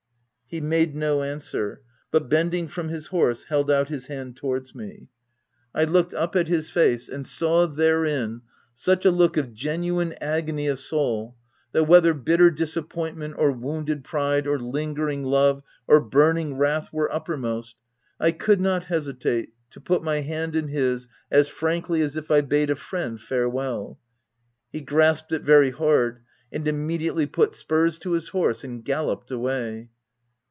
He made no answer, but, bending from his horse, held out his hand towards me. I looked 366 OF WILDFELL KALL, up at his face, and saw, therein, such a look of genuine agony of soul that, whether bitter dis appointment, or wounded pride, or lingering love, or burning wrath were uppermost, I could not hesitate to put my hand in his as frankly as if I bade a friend farewell. He grasped it very hard, and immediately put spurs to his horse and gallopped away.